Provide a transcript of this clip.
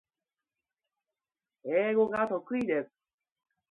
英語が得意です